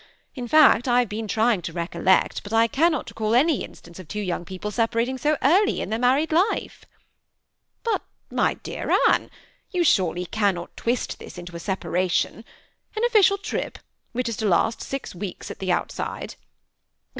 In fact, I have been trying to recollect, but I cannot recall any instance of two young people separating so early in their married life." 220 THE SEBH ATTACHED COUPLE. ^ Baty my dear Anne, jon surely cannot twist this into a separation — an official trip, whieh is to last six weeks at the outside."